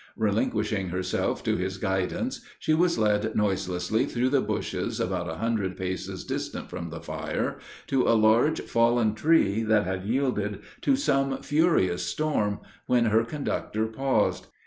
Relinquishing herself to his guidance, she was led noiselessly through the bushes about a hundred paces distant from the fire, to a large fallen tree that had yielded to some furious storm, when her conductor paused.